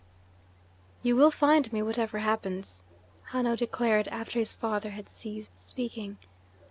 "You will find me, whatever happens," Hanno declared after his father had ceased speaking.